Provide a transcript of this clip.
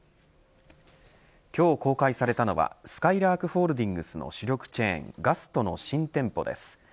今日公開されたのはすかいらーくホールディングスの主力チェーンガストの新店舗です。